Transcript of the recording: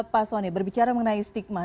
pak soni berbicara mengenai stigma